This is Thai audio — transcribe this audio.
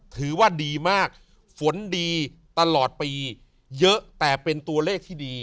ถือว่าดีมากฝนดีตลอดปีเยอะแต่เป็นตัวเลขที่ดี